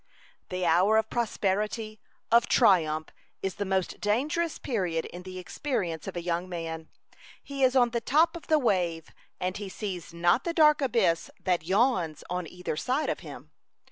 The hour of prosperity, of triumph, is the most dangerous period in the experience of a young man. He is on the top of the wave, and he sees not the dark abyss that yawns on either side of him.